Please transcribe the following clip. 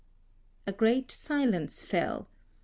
] A great silence fell.